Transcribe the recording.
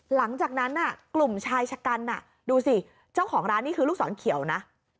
หลังจากนั้นกลุ่มชายชะกันดูสิเจ้าของร้านนี่คือลูกศรเขียวนะ